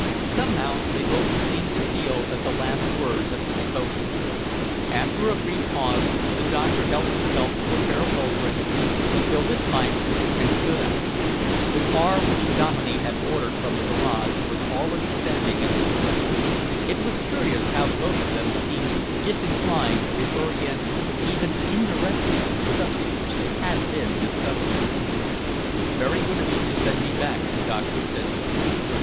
Somehow they both seemed to feel that the last words had been spoken. After a brief pause, the doctor helped himself to a farewell drink, filled his pipe and stood up. The car which Dominey had ordered from the garage was already standing at the door. It was curious how both of them seemed disinclined to refer again even indirectly to the subject which they had been discussing. "Very good of you to send me back," the doctor said gruffly.